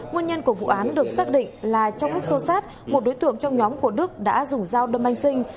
nguyên nhân của vụ án được xác định là trong lúc xô sát một đối tượng trong nhóm của đức đã dùng dao đâm anh sinh